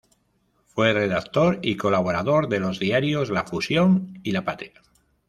Fue redactor y colaborador de los diarios La Fusión y La Patria.